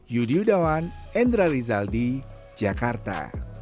yudi yudawan endra rizaldi jakarta